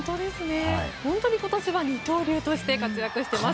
本当に今年は二刀流として活躍しています。